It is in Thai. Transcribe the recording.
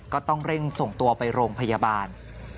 ก็ต้องเร่งส่งตัวไปโรงพยาบาล